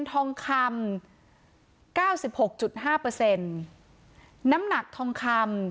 ทองคำ๙๖๕เปอร์เซ็นต์น้ำหนักทองคำ